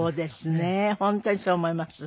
本当にそう思います。